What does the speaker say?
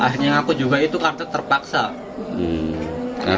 akhirnya mengaku juga itu karena terpaksa